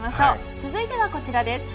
続いてはこちらです。